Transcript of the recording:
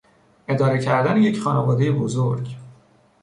اداره کردن یک خانوادهی بزرگ